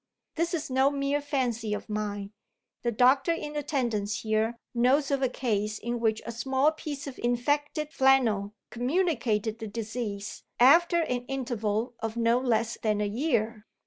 This is no mere fancy of mine; the doctor in attendance here knows of a case in which a small piece of infected flannel communicated the disease after an interval of no less than a year.